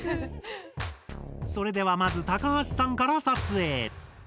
それではまず高橋さんから撮影！